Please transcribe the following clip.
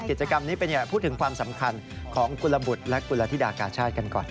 กิจกรรมนี้เป็นอย่างไรพูดถึงความสำคัญของกุลบุตรและกุลธิดากาชาติกันก่อน